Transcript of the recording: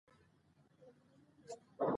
په ټولنه کې د خیر کارونه ترسره کړئ.